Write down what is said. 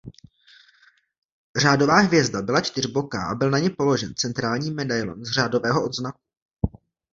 Řádová hvězda byla čtyřboká a byl na ni položen centrální medailon z řádového odznaku.